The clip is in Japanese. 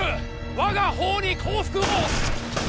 我が方に降伏を。